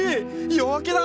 夜明けだ。